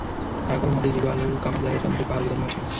কারো কারো মতে, জিবালুল কামার দ্বারা চন্দ্রের পাহাড় বুঝানো হয়েছে।